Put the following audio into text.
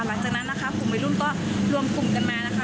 หลังจากนั้นนะครับผมไปรุ่นต้อรวมฟุ่มกันมานะคะ